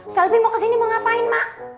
selfie mau kesini mau ngapain mak